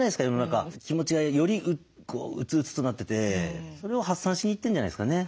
気持ちがより鬱々となっててそれを発散しに行ってんじゃないですかね。